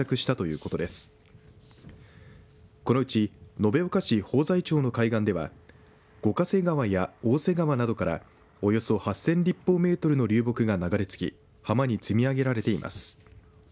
このうち延岡市方財町の海岸では五ヶ瀬川や大瀬川などからおよそ８０００立方メートルの流木が流れ着き浜に積み上げられています。